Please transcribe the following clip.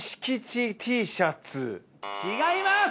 違います！